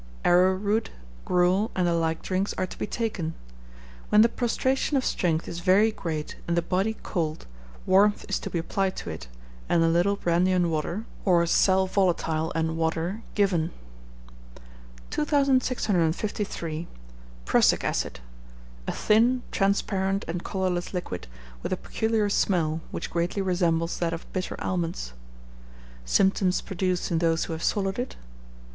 Arrowroot, gruel, and the like drinks, are to be taken. When the prostration of strength is very great and the body cold, warmth is to be applied to it, and a little brandy and water, or sal volatile and water, given. 2653. Prussic Acid (a thin, transparent, and colourless liquid, with a peculiar smell, which greatly resembles that of bitter almonds). Symptoms produced in those who have swallowed it.